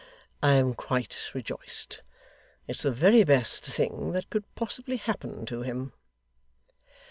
I am quite rejoiced. It's the very best thing that could possibly happen to him.